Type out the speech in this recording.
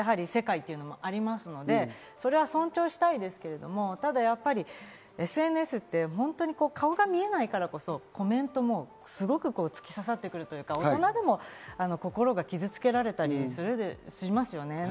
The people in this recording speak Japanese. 子供自身の世界というのもありますので、それは尊重したいんですけど、ただＳＮＳって顔が見えないからこそ、コメントもすごく突き刺さってくるというか、大人でも心が傷付けられたりしますよね。